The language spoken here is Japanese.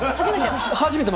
初めて？